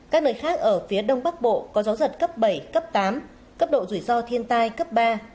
các nơi khác ở phía đông bắc bộ có gió giật cấp bảy cấp tám cấp độ rủi ro thiên tai cấp ba